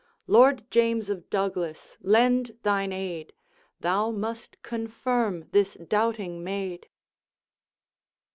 Lord James of Douglas, lend thine aid; Thou must confirm this doubting maid.'